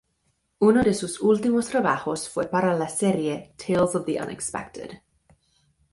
Uno de sus últimos trabajos fue para la serie "Tales of the Unexpected".